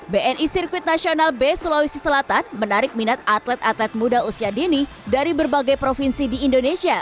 bni sirkuit nasional b sulawesi selatan menarik minat atlet atlet muda usia dini dari berbagai provinsi di indonesia